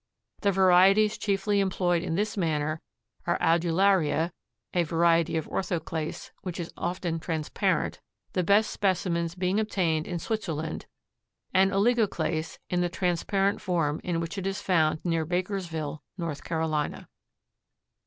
The varieties chiefly employed in this manner are adularia, a variety of orthoclase which is often transparent, the best specimens being obtained in Switzerland, and oligoclase, in the transparent form in which it is found near Bakersville, North Carolina.